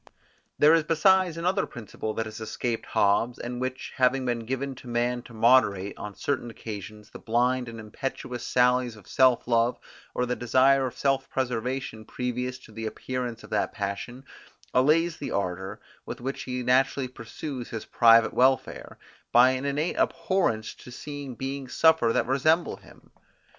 There is besides another principle that has escaped Hobbes, and which, having been given to man to moderate, on certain occasions, the blind and impetuous sallies of self love, or the desire of self preservation previous to the appearance of that passion, allays the ardour, with which he naturally pursues his private welfare, by an innate abhorrence to see beings suffer that resemble him.